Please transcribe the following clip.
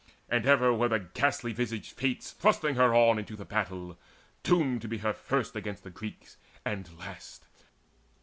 And ever were the ghastly visaged Fates Thrusting her on into the battle, doomed To be her first against the Greeks and last!